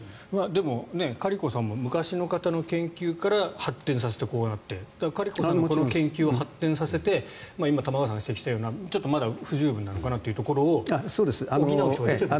でもカリコさんも昔の方の研究から発展させてこうなってだからカリコさんのこの研究を発展させて今、玉川さんが指摘したようなまだ不十分なところを補う人が出てくると。